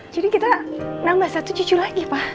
jadi kita nambah satu cucu lagi pak